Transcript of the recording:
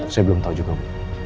saya belum tahu juga bu